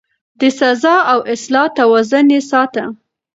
د سزا او اصلاح توازن يې ساته.